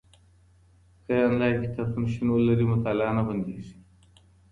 که انلاین کتابتون شتون ولري، مطالعه نه بندېږي.